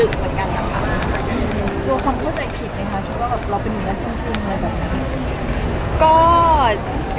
อืมตัวความเข้าใจผิดเลยมั้ยถ้าเราเป็นอย่างนั้นจริงอะไรแบบนั้น